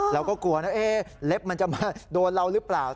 เราก็กลัวนะเล็บมันจะมาโดนเราหรือเปล่า